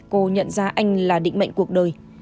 cô nhận ra anh là định mệnh cuộc đời